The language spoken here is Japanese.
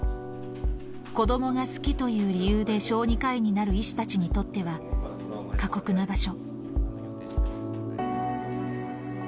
子どもが好きという理由で小児科医になる医師たちにとっては、過酷な場所。